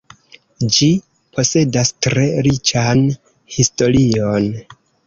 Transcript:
Ĝi posedas tre riĉan historion.